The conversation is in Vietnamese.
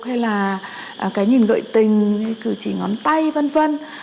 hay là cái nhìn gợi tình như cử chỉ ngón tay v v